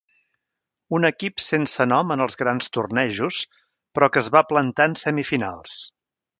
Un equip sense nom en els grans tornejos però que es va plantar en semifinals.